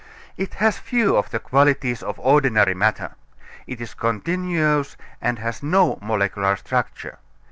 It has few of the qualities of ordinary matter. It is continuous and has no molecular structure.